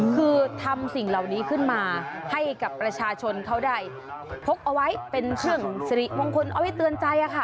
คือทำสิ่งเหล่านี้ขึ้นมาให้กับประชาชนเขาได้พกเอาไว้เป็นเครื่องสิริมงคลเอาไว้เตือนใจค่ะ